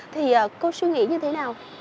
thì cô suy nghĩ như thế nào